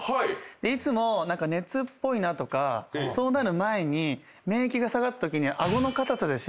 いつも熱っぽいなとかそうなる前に免疫が下がったときに。